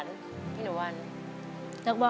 สู้ครับ